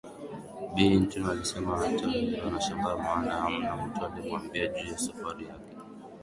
Bi Anita alisema hata yeye anashangaa maana hamna mtu aliemwambia juu ya safari yake